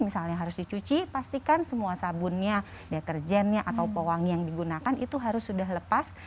misalnya harus dicuci pastikan semua sabunnya deterjennya atau pewangi yang digunakan itu harus sudah lepas